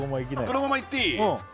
黒胡麻いっていい？